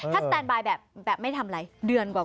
ถ้าสแตนบายแบบไม่ทำอะไรเดือนกว่า